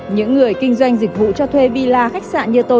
những người kinh doanh dịch vụ cho thuê villa khách sạn như tôi rất bất kỳ